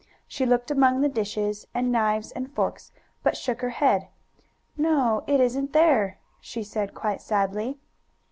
She looked among the dishes, and knives and forks, but shook her head. "No, it isn't there," she said, quite sadly.